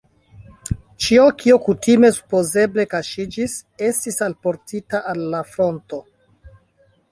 Ĉio, kio kutime supozeble kaŝiĝis, estis alportita al la fronto.